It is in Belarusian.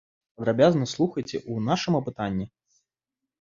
Падрабязна слухайце ў нашым апытанні.